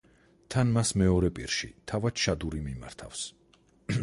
თანაც მას მეორე პირში თავად შადური მიმართავს.